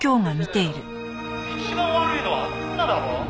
「一番悪いのはあの女だろ？」